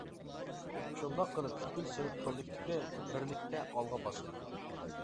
شۇنداق قىلىپ پۈتكۈل سىنىپ كوللېكتىپى بىرلىكتە ئالغا باسىدۇ.